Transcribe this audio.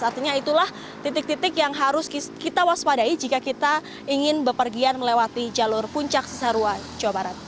artinya itulah titik titik yang harus kita waspadai jika kita ingin bepergian melewati jalur puncak cisarua jawa barat